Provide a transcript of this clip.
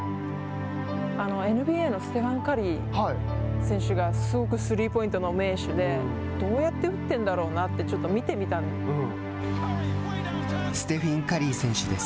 ＮＢＡのステフィン・カリー選手がすごくスリーポイントの名手でどうやって打ってるんだろうなってちょっと見てたんです。